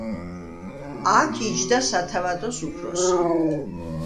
აქ იჯდა სათავადოს უფროსი.